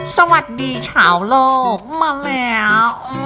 สวัสดีชาวโลกมาแล้ว